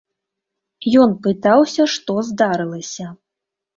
Ён пытаўся, што здарылася.